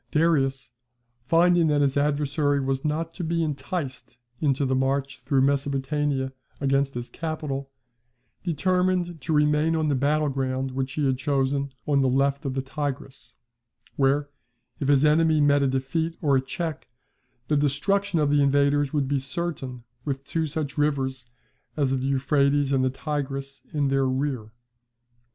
Darius, finding that his adversary was not to be enticed into the march through Mesopotamia against his capital, determined to remain on the battle ground which he had chosen on the left of the Tigris; where, if his enemy met a defeat or a check, the destruction of the invaders would be certain with two such rivers as the Euphrates and the Tigris in their rear.